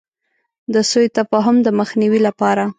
د سو تفاهم د مخنیوي لپاره.